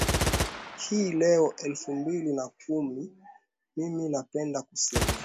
hii leo elfu mbili na kumi mimi napenda kusema